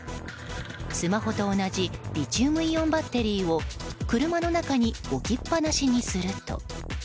スマホと同じリチウムイオンバッテリーを車の中に置きっぱなしにすると。